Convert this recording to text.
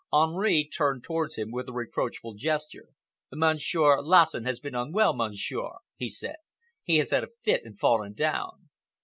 Henri turned towards him with a reproachful gesture. "Monsieur Lassen has been unwell, Monsieur," he said. "He has had a fit and fallen down."